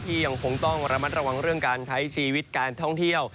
ยังคงต้องระมัดระวังเรื่องการใช้ชีวิตการท่องเที่ยว